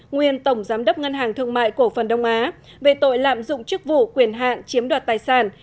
nguyên tổng giám đốc ngân hàng thương mại cổ phần đông á về tội lạm dụng chức vụ quyền hạn chiếm đoạt tài sản